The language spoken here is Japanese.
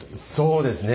そうですね。